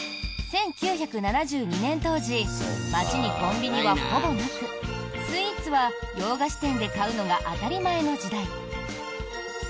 １９７２年当時街にコンビニはほぼなくスイーツは洋菓子店で買うのが当たり前の時代。